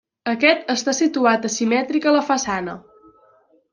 Aquest està situat asimètric a la façana.